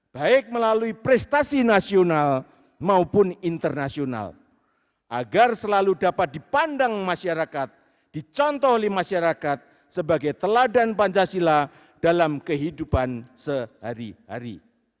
baik melalui prestasi nasional maupun internasional agar selalu dapat dipandang masyarakat dicontoh oleh masyarakat sebagai teladan pancasila dalam kehidupan sehari hari